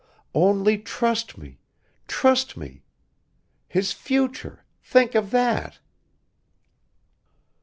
Only trust me ... trust me! His future ... think of that...."